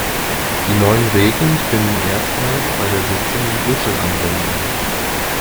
Die neuen Regeln finden erstmals bei der Sitzung in Brüssel Anwendung.